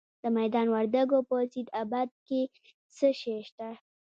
د میدان وردګو په سید اباد کې څه شی شته؟